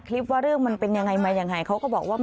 คลิปว่าเรื่องมันเป็นยังไงมายังไงเขาก็บอกว่า